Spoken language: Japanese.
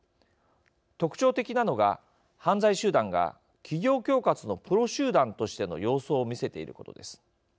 特徴的なのが、犯罪集団が企業恐喝のプロ集団としての様相を見せていることです。